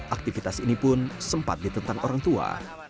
aktivitas ini pun sempat ditentang orang tua